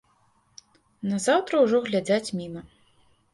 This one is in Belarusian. Назаўтра ўжо глядзяць міма.